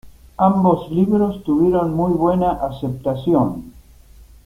Ambos libros tuvieron muy buena aceptación.